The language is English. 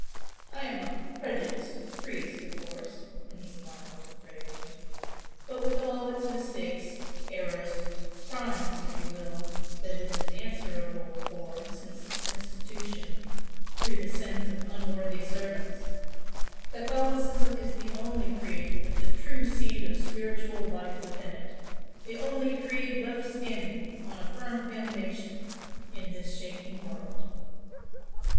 I am a 'prejudiced' priest, of course," and he smiled, gravely "but with all its mistakes, errors, crimes (if you will) that it is answerable for since its institution, through the sins of unworthy servants, Catholicism is the only creed with the true seed of spiritual life within it the only creed left standing on a firm foundation in this shaking world!"